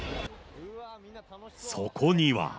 そこには。